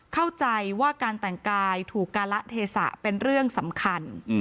เข้าใจว่าการแต่งกายถูกการละเทศะเป็นเรื่องสำคัญ